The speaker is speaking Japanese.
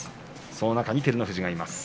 その中に照ノ富士がいます。